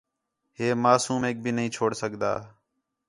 ہے معصومیک بھی نہیں چھوڑ سڳدا